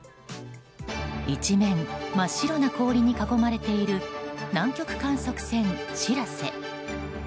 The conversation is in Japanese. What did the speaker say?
一面真っ白な氷に囲まれている南極観測船「しらせ」。